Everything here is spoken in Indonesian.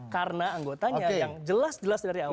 karena anggotanya yang jelas jelas dari awal